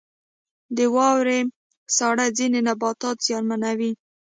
• د واورې ساړه ځینې نباتات زیانمنوي.